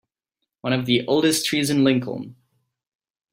One of the oldest trees in Lincoln.